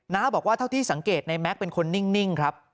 บอกว่าเท่าที่สังเกตในแก๊กเป็นคนนิ่งครับ